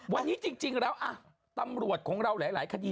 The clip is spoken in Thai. วันนี้จริงแล้วตำรวจของเราหลายคดี